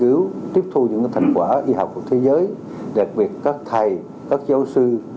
tiếp tục tiếp thu những thành quả y học của thế giới đặc biệt các thầy các giáo sư